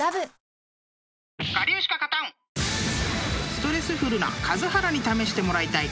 ［ストレスフルな数原に試してもらいたい］